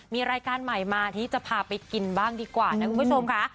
มีรายการใหม่มาที่จะพาไปกินบ้างดีกว่านะคุณผู้ชมค่ะ